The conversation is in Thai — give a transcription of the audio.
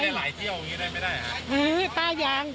หึป่ายัง